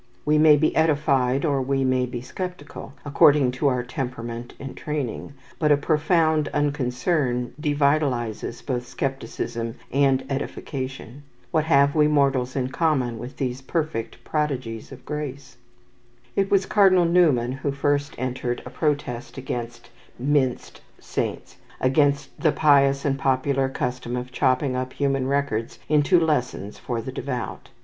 We may be edified or we may be sceptical, according to our temperament and training; but a profound unconcern devitalizes both scepticism and edification. What have we mortals in common with these perfected prodigies of grace? It was Cardinal Newman who first entered a protest against "minced" saints, against the pious and popular custom of chopping up human records into lessons for the devout.